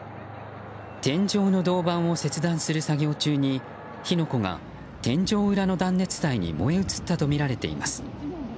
天井の銅板を切断する作業中に火の粉が天井裏の断熱材に燃え移ったとみられています。